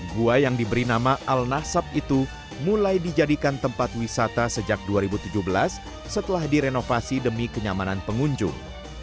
gua yang diberi nama al nahsab itu mulai dijadikan tempat wisata sejak dua ribu tujuh belas setelah direnovasi demi kenyamanan pengunjung